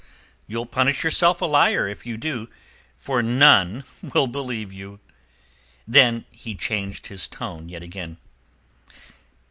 "You'll publish yourself a liar if you do; for none will believe you." Then he changed his tone yet again.